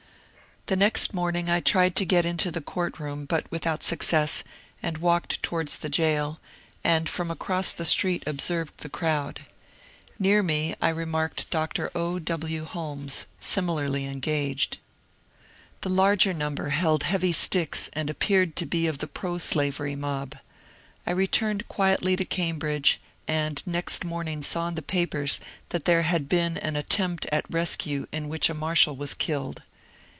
The next morning I tried to get into the court room, but without success, and walked towards the jail, and from across the street observed the crowd. Near me I remarked Dr. O. W. Holmes, similarly engaged. 176 MONCURE DANIEL CONWAY The larger number held heavj sticks and appeared to be of the proslayery mob. I returned quietly to Cambridge, and next morning saw in the papers that there had been an at tempt at rescue in which a marshal was killed.